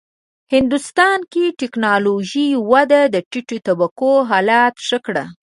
هندوستان کې د ټېکنالوژۍ وده د ټیټو طبقو حالت ښه کړ.